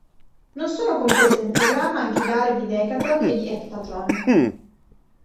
Non sono comprese nel programma anche gare di decathlon e di eptathlon.